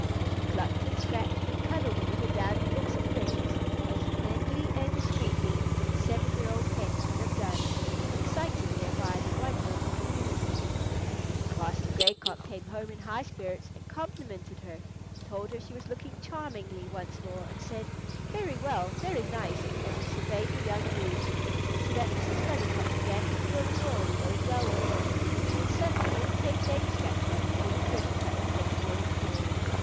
She clucked and scratched, and cuddled the little downy bits of things as handily and discreetly as a seven year old hen could have done, exciting thereby the wonder of the community. [Picture: The Brood Hatched] Master Gray Cock came home in high spirits, and complimented her; told her she was looking charmingly once more, and said, "Very well, very nice," as he surveyed the young brood. So that Mrs. Feathertop began to feel the world going well with her, when suddenly in came Dame Scratchard and Goody Kertarkut to make a morning call.